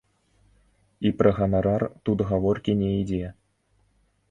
І пра ганарар тут гаворкі не ідзе.